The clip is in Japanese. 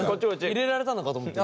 入れられたのかと思って。